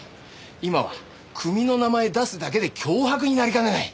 今は組の名前出すだけで脅迫になりかねない。